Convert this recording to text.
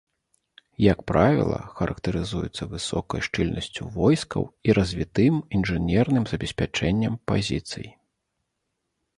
Як правіла, характарызуецца высокай шчыльнасцю войскаў і развітым інжынерным забеспячэннем пазіцый.